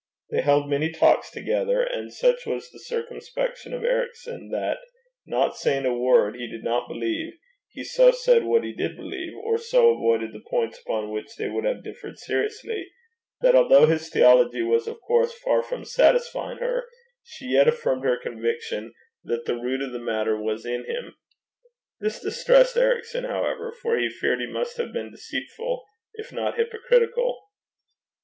They held many talks together; and such was the circumspection of Ericson that, not saying a word he did not believe, he so said what he did believe, or so avoided the points upon which they would have differed seriously, that although his theology was of course far from satisfying her, she yet affirmed her conviction that the root of the matter was in him. This distressed Ericson, however, for he feared he must have been deceitful, if not hypocritical.